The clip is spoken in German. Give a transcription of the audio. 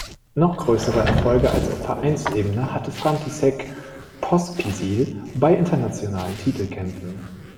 Noch größere Erfolge als auf Vereinsebene hatte František Pospíšil bei internationalen Titelkämpfen.